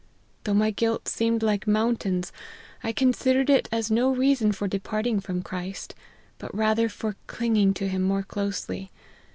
Though my guilt seemed like moun tains, I considered it as no reason for departing from Christ, but rather for clinging to him more closely.